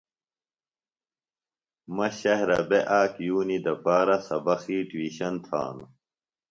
مہ شہرہ بےۡ آک یُونی دپارہ سبقی ٹِیوشن تھانوۡ۔